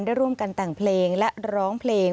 ได้ร่วมกันแต่งเพลงและร้องเพลง